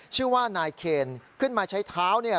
ชื่อว่านายเคนขึ้นมาใช้เท้าเนี่ย